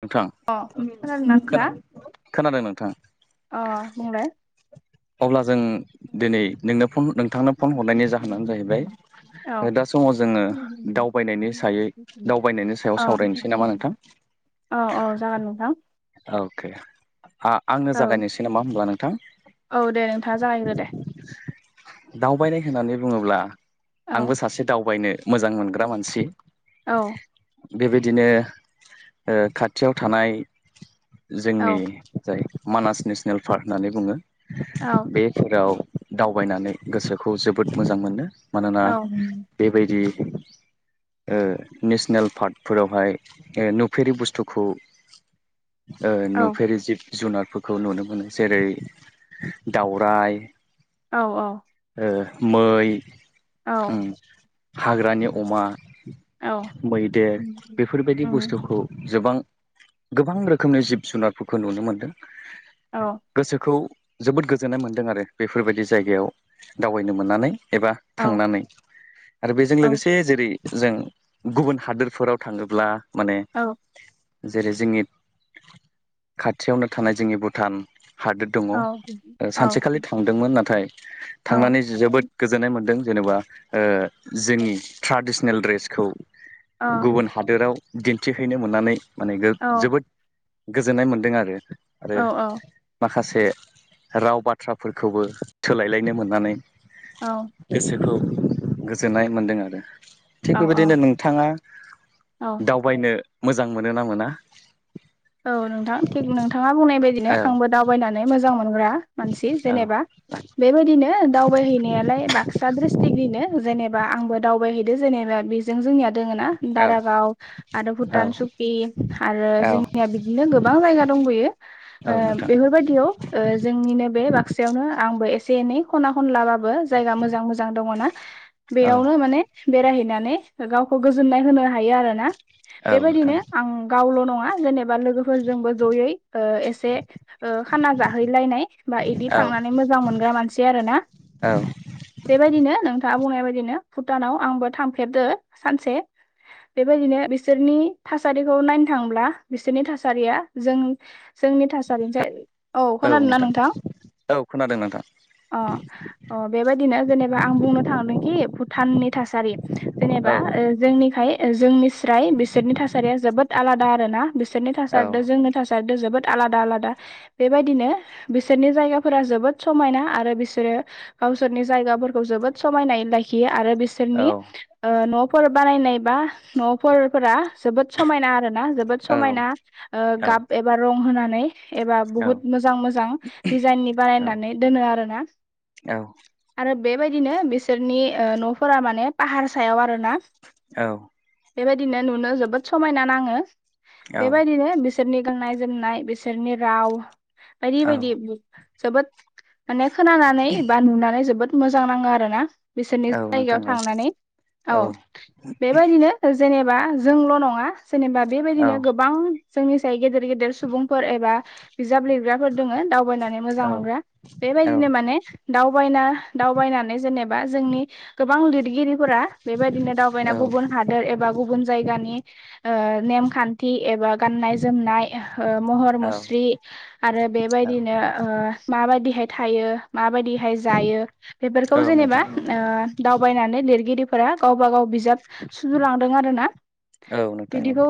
नोंथां अ खोनादोंना नोंथाङा खोनादों खोनादों नोंथां अ बुंलाइ अब्ला जों दिनै नोंनो फन नोंथांनो फन हरनायनि जाहोनानो जाहैबाय, औ दा समाव जोङो दावबायनायनि सायै दावबायनायनि औ सायाव सावरायनोसै नामा नोंथां? औ औ जागोन नोंथां आ-आंनो औ जागायनोसै नामा होब्ला नोंथां? औ दे नोंथाङा जागायग्रो दे दावबायनाय होननानै बुङोब्ला आंबो औ सासे दावबायनो मोजां मोनग्रा मानसि। औ बेबायदिनो ओ खा थियाव थानाय औ जोंनि जाय मानास नेसनेल पार्क होननानै बुङो औ बे खेलाव दावबायनानै गोसोखौ जोबोद मोजां मोनो। मानोना बेबायदि ओ नेसनेल फार्कफोरावहाय नुफेरि बुस्थु खौ ओ औ नुफेरि जिब जुनारफोरखौ नुनो मोनो जेरै दावराइ, औ औ। ओ मै, ओं हाग्रानि अमा, औ मैदेर उम बेफोरबायदि बुस्थुखौ जोबां गोबां रोखोमनि जिब जुनारफोरखौ नुनो मोनदों। औ गोसोखौ जोबोद गोजोन्नाय मोनदों आरो बेफोरबायदि जायगायाव दावबायनो मोन्नानै। एबा औ थांनानै आरो बेजों औ लोगोसे जेरै जों गुबुन हादोरफोराव थाङोब्ला माने औ जेरै जोंनि खाथियावनो थानाय जोंनि भुटान हादोर दङ औ सानसेखालि थांदोंमोन नाथाय थांनानै जेनेबा ओ जोंनि ट्राडिसनेल ड्रेसखौ गुबुन हादोराव दिन्थिहैनो मोननानै माने जोबोद गोजोननाय मोनदों आरो आरो माखासे राव बाथ्राफोरखौबो थोलायलायनो मोननानै औ गोसोखौ गोजोननाय मोनदों आरो। थिग बेबायदिनो नोंथाङा औ दावबायनो मोजां मोनो ना मोना? औ नोंथां थिग नोंथाङा बुंनाय बायदिनो औ आंबो दावबायनानै मोजां मोनग्रा मानसि औ जेनेबा बेबायदिनो दावबायहैनायालाय बाक्सा डिस्ट्रिकनिनो जेने बा आंबो दावबायहैदो जेनेबा बेजों जोंनिया दोङोना औ दारागाव आरो भुटान औ चुकि आरो जों औ बिदिनो गोबां जायगा दंबयो औ ओ नोंथां बेफोरबायदियाव ओ जोंनिनो बे बाक्सायावनो आं एसे एनै खना खनलाबाबो जायगा मोजां मोजां दङना औ बेयावनो माने बेरायहै हैनानै गावखौ गोजोन्नाय होनो हायो आरोना औ नोंथां बेबायदिनो आं गावल' नङा जेनेब बा लोगोफोरजोंबो ज'यै ओ एसे ओ खाना जाहैलायनाय बा बिदि औ थांनानै मो मोजां मोनग्रा मानसि आरो ना। औ बेबायदिनो नोंथाङा बुंनाय बायदिनो भुटानाव आंबो थांफेरदो सानसे बेबायदिनो बिसोरनि थासारिखौ नायनो थांब्ला बिसोरनि थासारिया जों जोंनि थासारिनिसाय। औ खोनादों ना नोंथां? दों नाथां। अ अ बेबायदिनो जेनेबा आं बुंनो थांदोंखि भुटाननि थासारि जेनेबा औ आ ओ जोंनिखाय जोंनि स्राय बिसोरनि थासारिया जोबोद आलादा आरो ना। बिसोरनि औ थासारजों जोंनि थासारजों जोबोद आलादा आलादा बेबायदिनो बिसोरनि जायगाफोरा जोबोद समायना आरो बिसोरो गावसोरनि जायगाफोरखौ जोबोद समायनायै लाखियो आरो औ बिसोरनि ओ न' फोर बानायनाय बा न'फोरफोरा जोबोद समायना आरो ना। औ समायना औ गाब एबा रं होनानै एबा औ बहुत मोजां मोजां दिजाइननि बानायनानै दोनो आरो ना। औ बेबायदिनो बिसोरनि ओ न'फोरा माने पाहार सायाव आरो औ बेबायदिनो नुनो जोबोद समायना नाङो बेबायदिनो बिस बिसोरनि गाननाय जोमनाय बिसोरनि राव बायदि औ बायदि जोबोद माने खोनानानै बा नुनानै जोबोद मोजां नाङो आरो ना। बिसोरनि औ जायगायाव नोंथां औ थांनानै औ बेबायदिनो जेनेब बा जोंल' नङा जेनेबा औ बेबायदिनो गोबां जोंनि साय गेदेर गेदेर सुबुंफोर एबा बिजाब लिरग्राफोर दोङो दावबायनानै मोजां मोनग्रा औ बेबायदिनो माने दाव दावबायना दावबायनानै जेनेबा जोंनि गोबां लिरगिरि फोरा बेबायदिनो दावबायना औ गुबुन हादोर एबा गुबुन जायगानि ओ नेमखान्थि एबा गाननाय जोमनाय ओ महर मुस्रि आरो बेबायदिनो ओ माबायदिहाय थायो। माबायदिहाय जायो बेफोरखौ औ जेनेबा नोंथां ओ दावबायनानै लिरगिरिफोरा गावबा गाव बिजाब सुजुलांदों आरोना औ नोंथां बिदि थ' ओ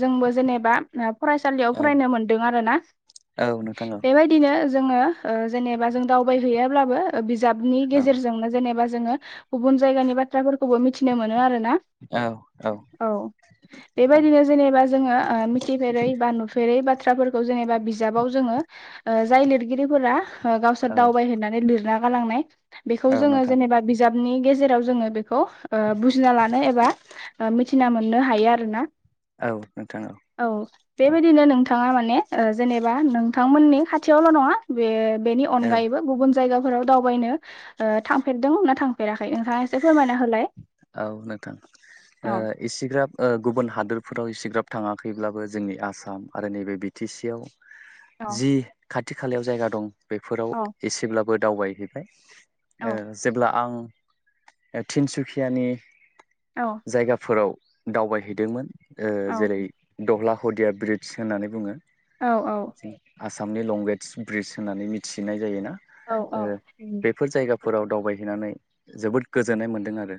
जोंबो जेनेबा फरायसालियाव औ फरायनो मोनदों आरोना। औ नोंथां औ बेबायदिनो जोङो ओ जेनेबा जों दावबायहैयाब्लाबो। बिजाबनि गेजेरजोंनो जेनेबा जोङो गुबुन जायगानि बाथ्राफोरखौबो मिथि [unintelligible] मोनो आरोना औ औ। बेबायदिनो जेनेबा जोङो ओ मिथिफेरै बा नुफेरै बाथ्राफोर [unintelligible] जेनेबा बिजाबाव जोङो। ओ जाय लिरगिरिफोरा ओ औ गावसोर दावबाय होननानै लिरना गालांनाय। औ नोंथां औ नोंथां औ बेखौ जोङो जेनेबा बिजाबनि गेजेराव जोङो से [unintelligible] ओ बुजिना लानो एबा ओ मिथिना मोननो हायो आरोना। औ, बेबायदिनो नोंथाङा माने ओ जेनेबा नोंथांमोननि खाथियावल' नङा बे-बेनि औ अनगायैबो गुबुन जायगाफोराव दावबायनो ओ थांफेरदोंमोन ना थांफेराखै? नोंथाङा एसे फोरमायना होलाय। औ नोंथां। ओ औ इसिग्राब ओ गुबुन हादोर [unintelligible] इसिग्राब थाङाखैब्लाबो जोंनि आसाम आरो नैबे बि टि सि आव औ जि खाथि- खालायाव जायगा दं बेफोराव औ एसेब्लाबो दावबायहैबाय। औ ओ जेब्ला आं ओ तिनसुखियानि औ जायगाफोराव दावबायहैदोंमोन। ओ औ जेरै दग्ला [unintelligible] ब्रिडस होननानै बुङो। औ औ। जों आसामनि लंगेदस ब्रिज होननानै मिथिनाय जायोना। औ ओ बेफोर जायगाफोराव दावबायहैनानै जोबोद गोजोननाय मोनदों आरो।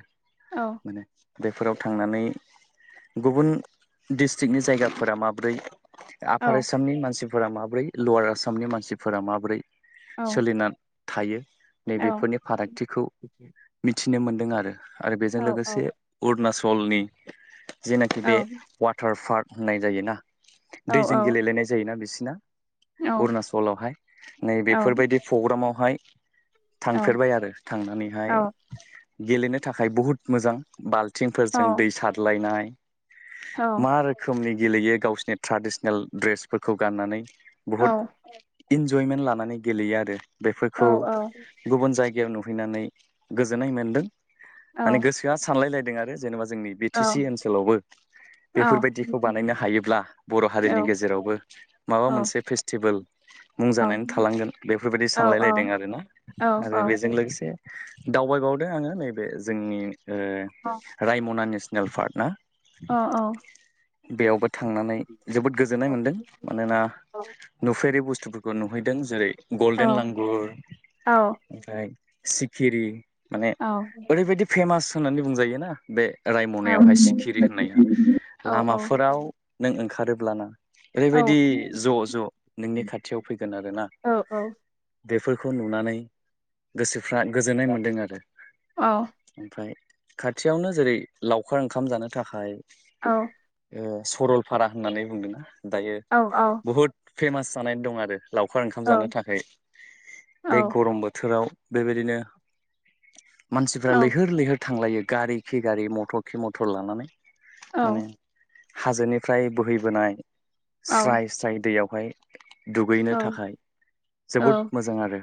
औ माने बेफोराव थांनानै गुबुन डिस्ट्रिकनि जायगाफोरा माब्रै औ आफार आसामनि मानसिफोरा माब्रै, लवार आसामनि मानसिफोरा माब्रै? सोलिना थायो नैबेफोरनि फारागथिखौ [unintelligible] [unintelligible] मोनदों आरो। आरो बेजों औ औ औ लोगोसे अरुनाचलनि जेनाखि बे वाटार पार्क होननाय जायोना। दैजों गेलेलायनाय जायोना बिसिना। अरुनाचलावहाय, नै बेफोरबायदि पग्रामावहाय औ थांफेरबाय आरो। थांनानैहाय गेलेनो थाखाय बहुद मोजां [unintelligible] [unintelligible] दै सारलायनाय मा रोखोमनि गेलेयो गावसोनि ट्राडिसनेल ड्रेसफोरखौ गाननानै। औ। बुहुद इन्जयमेन्ट लानानै गेलेयो आरो बेफोरखौ गुबुन जायगा [unintelligible] नुहैनानै गोजोननाय मोनदों। माने गोसोआ सानलायलायदों आरो जेनेबा जोंनि बि टि सि ओनसोलावबो बेफोरबायदिखौ बानायनो हायोब्ला, बर' हारिनि गेजेरावबो माबा मोनसे फेस्टिबोल मुं जानानै थालांगोन। बेफोरबायदि सानलायलायदों आरोना औ आरो औ बेजों लोगोसे दावबायबावदों आङो। नैबे जोंनि ओ औ रायमना नेसनेल पार्क ना? अ औ। बेयावबो थांनानै जोबोद गोजोननाय औ मोनदों मानोना नुफेरि [unintelligible] [unintelligible] नुहैदों जेरै औ -गल्डेन लांगुर औ ओमफाय सिखिरि [unintelligible] औ ओरैबायदि फेमास होननानै बुंजायो ना। बे औ रायमनायावहाय उम सिखिरि होननाया औ लामाफोराव, नों ओंखारोब्लाना ओरैबायदि ज' ज' नोंनि खाथियाव फैगोन आरोना। बेफोरखौ नुनानै गोसोफ्रा गोजोननाय मोनदों आरो। औ। ओमफाय खाथियावनो जेरै -लावखार ओंखाम जानो थाखाय। औ। ओ सरलफारा होननानै बुंदोंना दायो बुहुद फेमास जानानै दं आरो। लावखार ओंखाम जानो थाखाय बे गरम बोथोराव बेबायदिनो मानसिफ्रा लैहोर लैहोर थांलायो। गारि खि गारि मटर खि मटर लानानै माने हाजोनिफ्राय बोहैबोनाय स्राय स्राय दैयावहाय दुगैनो थाखाय जोबोद मोजां आरो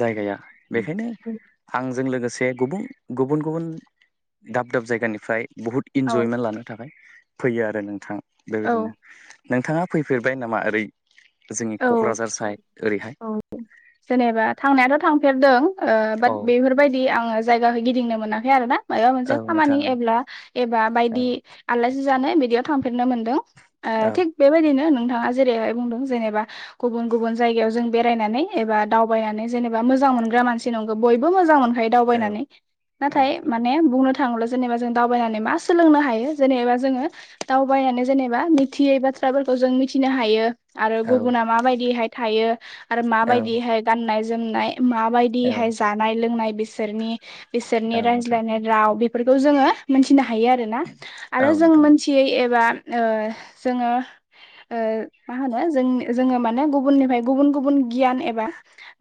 जायगाया बेखायनो आं जों लोगोसे गुबुन गुबुन गुबुन दाब दाब जायगानिफ्राय बहुत इन्जयमेन्ट लानो थाखाय फैयो आरो नोंथां बेबायदिनो औ नोंथाङा फैफेरबाय नामा ओरै जोंनि औ क'क्राझार साइद ओरैहाय औ जेनेबा थांनायाथ' थांफेरदों ओ बाट औ बेफोरबायदि आङो जायगाखौ गिदिंनो मोनाखै खै आरो ना माबा मोनसे औ नोंथां खामानि एब्ला एबा औ बायदि आलासि जानो बिदियाव थां फेरनो मोनदों ओ औ थिग बेबायदिनो नोंथाङा जेरैहाय बुंदों जेनेबा गुबुन गुबुन जायगायाव जों बेरायनानै एबा दावबायनानै जेनेबा मोजां मोनग्रा मानसि नंगौ बयबो मोजां मोन खायो औ दावबायनानै औ नाथाय नोंथां माने बुंनो था थाङोब्ला जेनेबा जों दावबायनानै मा सोलोंनो हायो जेनेबा जोङो दावबायनानै जेनेबा मिथियै बा थ्राफोरखौ जों मिथिनो हायो आ औ गुबुना माबायदिहाय थायो आरो औ माबायदिहाय गाननाय जोमनाय औ माबायदिहाय जानाय लोंनाय बिसोरनि बिसोरनि औ नोंथां रायज्लायनाय राव बेफोरफोरखौ जोङो मोनथिनो हायो आरो ना औ आरो जों नोंथां मोनथियै एबा ओ जोङो ओ मा होनो जोंनि जोङो माने गुबुननिफ्राय गुबुन गुबुन गियान एबा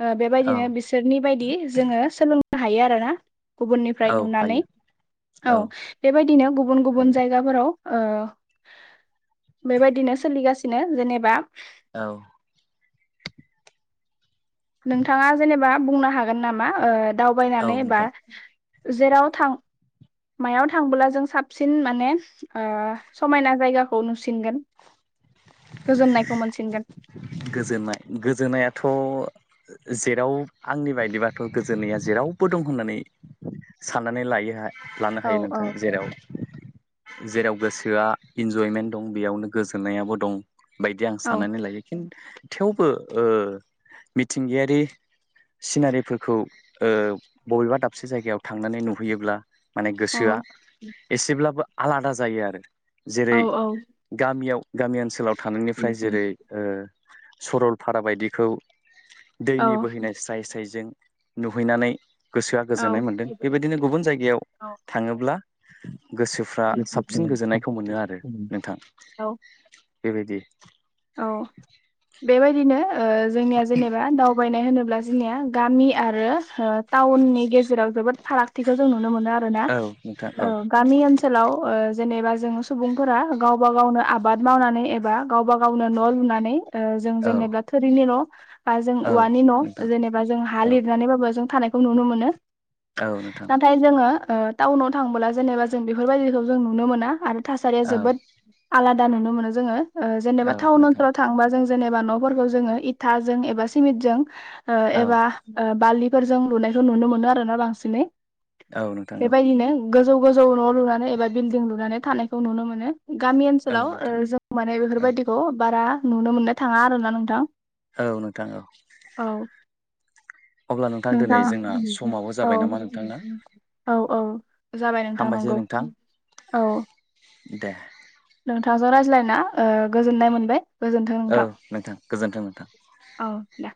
ओ औ बेबायदिनो बिसोरनि बायदि जोङो सोलोंनो हायो आरोना। गुबुननिफ्राय औ नुनानै हायो औ बेबायदिनो गुबुन गुबुन हायो जायगाफोराव ओ बेबायदिनो सोलिगासिनो जेनेबा औ नोंथाङा जेनेबा बुंनो हागोन नामा ओ औ दावबायनानै एबा नोंथां जेराव थां मायाव थांबोला जों साबसिन माने ओ समायना जायगाखौ नुसिनगोन। [unintelligible] गोजोननायखौ मोनसिनगोन। गोजोननाय गोजोननायाथ' जेराव आंनि बायदिबाथ' गोजोननाया जेरावबो दं होननानै साननानै लायो लानो औ हायो औ नोंथां जेराव जेराव गोसोआ इन्जयमेन्ट दं बेयावनो गोजोननायाबो दं बायदि आं औ साननानै लायो। खिन थेवबो ओ मिथिंगायारि सिनारिफोरखौ ओ बबेबा दाबसे जायगायाव थांनानै नुहैयोब्ला माने औ गोसोआ एसेब्लाबो आलादा जायो आरो। जेरै औ गामियाव गामि ओनसोलाव थानायनिफ्राय जेरै ओ सरलफारा बायदिखौ औ दैनि बोहैनाय स्राय स्रायजों नुहैनानै गोसोआ गोजोननाय मोनदों बेबायदिनो गुबुन जायगायाव औ थाङोब्ला गोसोफ्रा साबसिन गोजोन्नायखौ मोनो आरो नोंथां औ बेबायदि औ बेबायदिनो ओ जोंनिया जेनेबा दावबायनाय होनोब्ला जोंनिया गामि आरो ओ टाउननि गेजेराव जोबोद फारागथिखौ जों नुनो मोनो आरो ना। औ नोंथां औ गामि ओनसोलाव ओ जेनेबा जों सुबुंफोरा गावबा गावनो आबाद मावनानै एबा गावबा गावनो न' लुनानै। ओ जों औ जेनेबा थोरिनि न' बा जों औ औवानि न' नोंथां जेनेबा जों हा औ लिरनानैबाबो जों थानायखौ नुनो मोनो। औ नोंथां नाथाय जोङो ओ टाउनाव थांबोला जेनेबा जों बेफोरबायदिखौ जों नुनो मोना आरो थासारिया औ जोबोद आलादा नुनो मोनो जोङो ओ जेनेबा औ टाउन नोंथां ओनसोलाव थांबा जों जेनेबा न'फोरखौ जों इथाजों एबा सिमिटजों ओ औ एबा बालि फोरजों लुनायखौ नुनो मोनो आरोना बांसिनै औ नोंथां औ गोजौ-गोजौ न' लुनानै एबा बिल्डिं लुनानै थानायखौ नुनो मोनो। गामि औ ओनसोलाव नोंथां जों माने औ बेफोरबायदि बारा नुनो मोननो थाङा आरो ना नोंथां। औ नोंथां औ औ अब्ला नोंथां दिनै जोंना समाबो जाबाय नामा नोंथां ना औ औ औ जाबाय नोंथां हामबायसै नंगौ नोंथां औ दे नोंथांजों रायज्लायना गोजोननाय मोनबाय गोजोनथों औ नोंथां गोजोन्थों नोंथां औ दे